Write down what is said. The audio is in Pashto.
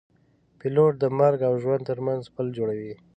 پیلوټ د مرګ او ژوند ترمنځ پل جوړوي.